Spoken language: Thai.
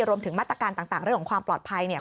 รวมถึงมาตรการต่างเรื่องของความปลอดภัยเนี่ย